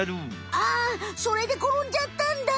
あそれでころんじゃったんだ。